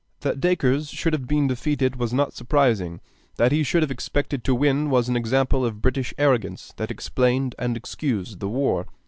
That Dacres should have been defeated was not surprising; that he should have expected to win was an example of British arrogance that explained and excused the war.